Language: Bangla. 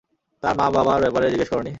তার মা-বাবার ব্যাপারে জিজ্ঞেস করোনি?